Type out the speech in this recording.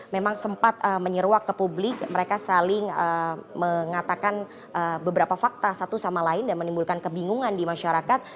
memang sempat menyeruak ke publik mereka saling mengatakan beberapa fakta satu sama lain dan menimbulkan kebingungan di masyarakat